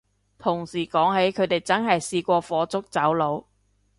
同事講起佢哋真係試過火燭走佬